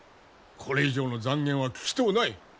これ以上の讒言は聞きとうない。